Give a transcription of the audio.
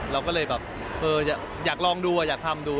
เราก็เลยอยากลองดูอยากทำดู